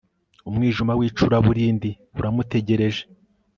umwijima w'icuraburindi uramutegereje